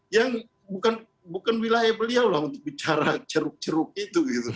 yang bukan wilayah beliau untuk bicara ceruk ceruk itu